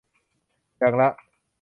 อย่างละ